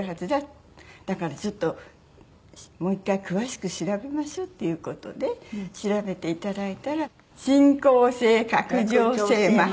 だからちょっともう１回詳しく調べましょうっていう事で調べていただいたら進行性核上性麻痺。